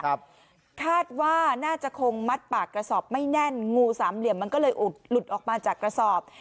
คาดว่าน่าจะคงมัดปากกระสอบไม่แน่นงูสามเหลี่ยมมันก็เลยอุดหลุดออกมาจากกระสอบ